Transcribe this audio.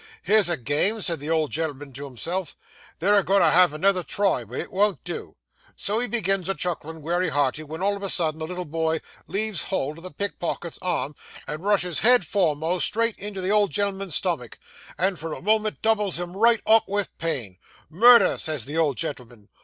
"Here's a game," says the old gen'l'm'n to himself, "they're a goin' to have another try, but it won't do!" So he begins a chucklin' wery hearty, wen, all of a sudden, the little boy leaves hold of the pickpocket's arm, and rushes head foremost straight into the old gen'l'm'n's stomach, and for a moment doubles him right up with the pain. "Murder!" says the old gen'l'm'n.